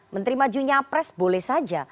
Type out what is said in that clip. menteri maju nyapres boleh saja